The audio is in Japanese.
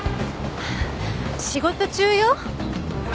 仕事中よ。